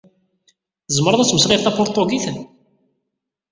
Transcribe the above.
Tzemreḍ ad tmeslayeḍ tapuṛtugit?